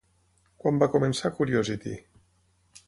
Quan va començar Curiosity?